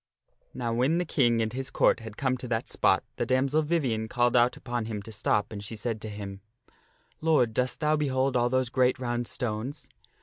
Now when the King and his Court had come to that spot the damsel Vivien called out upon him to stop and she said to him, " Lord, dost thou behold all those great round stones?"